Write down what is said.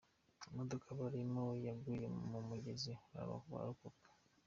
Imodoka barimo yaguye mu mugezi bararokoka